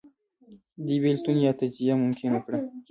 دې بېلتون یا تجزیه ممکنه کړه